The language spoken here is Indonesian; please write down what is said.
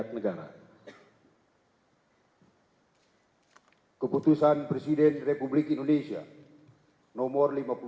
pertama pertama pertama